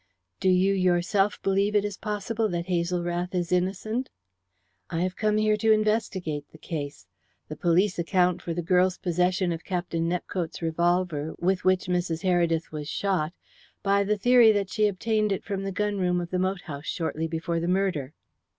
"Do you yourself believe it possible that Hazel Rath is innocent?" "I have come here to investigate the case. The police account for the girl's possession of Captain Nepcote's revolver, with which Mrs. Heredith was shot, by the theory that she obtained it from the gun room of the moat house shortly before the murder.